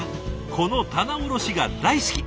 この棚卸しが大好き。